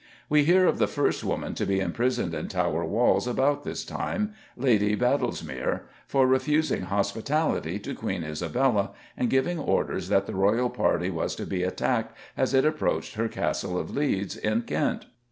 We hear of the first woman to be imprisoned in Tower walls about this time Lady Badlesmere for refusing hospitality to Queen Isabella, and giving orders that the royal party was to be attacked as it approached her castle of Leeds, in Kent.